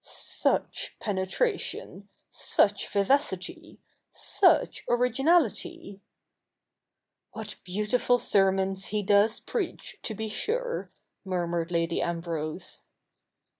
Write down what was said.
' Such penetration ! such vivacity I such originahty !'' What beautiful sermons he does preach, to be sure !' murmured Lady Ambrose.